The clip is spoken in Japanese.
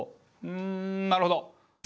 んなるほど。